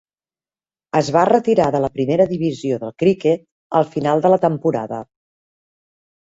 Es va retirar de la primera divisió del criquet al final de la temporada.